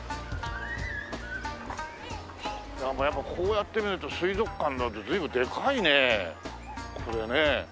ああもうやっぱこうやって見ると水族館随分でかいねこれね。